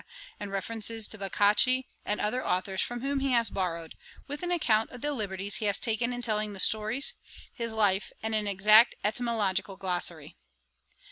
and references to Boccace, and other authours from whom he has borrowed, with an account of the liberties he has taken in telling the stories; his life, and an exact etymological glossary.